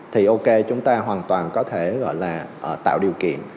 thì ok chúng ta hoàn toàn có thể gọi là tạo điều kiện